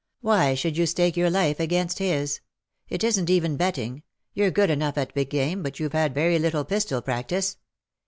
Why should you stake your life against his? It isn^t even betting : you^re good enough at big game, but youVe had very little pistol practice.